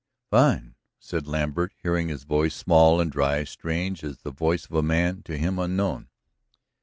"Fine," said Lambert, hearing his voice small and dry, strange as the voice of a man to him unknown.